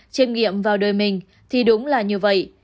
chiêm nghiệm vào đời mình thì đúng là như vậy